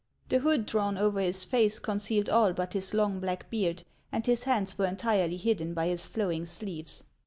The hood drawn over his face concealed all but his long black beard, and his hands were entirely hidden by his flowing sleeves.